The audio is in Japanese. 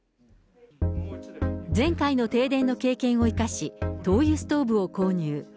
前回の停電の経験を生かし、灯油ストーブを購入。